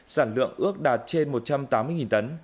sản lượng ước đạt trên một trăm tám mươi tấn